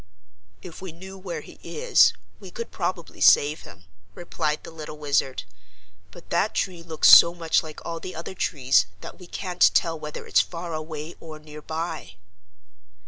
"If we knew where he is we could probably save him," replied the little Wizard, "but that tree looks so much like all the other trees, that we can't tell whether it's far away or near by."